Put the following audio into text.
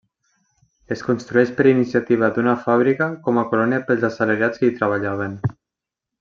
Es construeix per iniciativa d'una fàbrica com a colònia pels assalariats que hi treballaven.